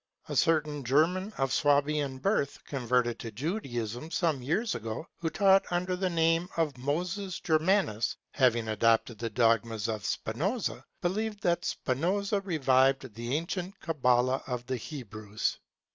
A certain German of Swabian birth, converted to Judaism some years ago, who taught under the name Moses Germanus, having adopted the dogmas of Spinoza, believed that Spinoza revived the ancient Cabala of the Hebrews.